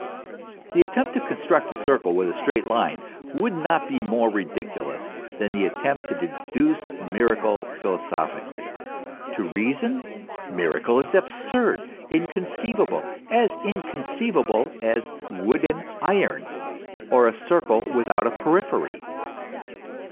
The attempt to construct a circle with a straight line, would not be more ridiculous than the attempt to deduce miracle philosophically. To reason, miracle is absurd, inconceivable ; as inconceivable as wooden iron, or a circle without a periphery.